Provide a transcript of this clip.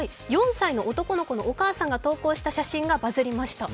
４歳の男の子のお母さんが投稿した写真がバズりました。